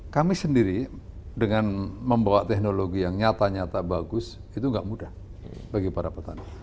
kami sendiri dengan membawa teknologi yang nyata nyata bagus itu tidak mudah bagi para petani